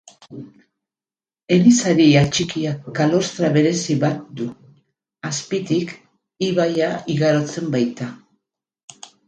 Elizari atxikia kalostra berezi bat du, azpitik ibaia igarotzen baita.